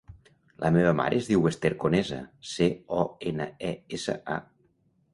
La meva mare es diu Esther Conesa: ce, o, ena, e, essa, a.